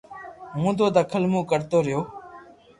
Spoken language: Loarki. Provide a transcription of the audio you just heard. ھون تو دڪل مون ڪرتو رھيو